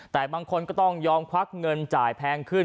แต่บางคนก็ต้องยอมควักเงินจ่ายแพงขึ้น